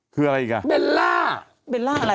คืออะไรอีกอ่ะเบลล่าเบลล่าอะไร